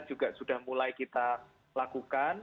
juga sudah mulai kita lakukan